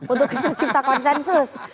untuk mencipta konsensus